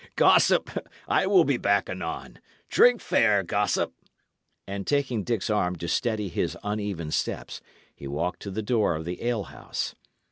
Gossip, I will be back anon. Drink fair, gossip;" and, taking Dick's arm to steady his uneven steps, he walked to the door of the alehouse.